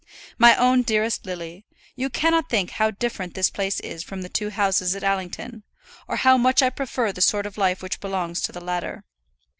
My own dearest Lily, you cannot think how different this place is from the two houses at Allington, or how much I prefer the sort of life which belongs to the latter.